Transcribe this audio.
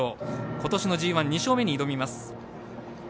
今年のＧＩ、２勝目に挑みます。